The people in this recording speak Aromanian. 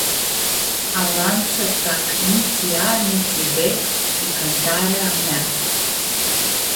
Alantsã tac nitsi a nitsi b ti cãntarea a mea.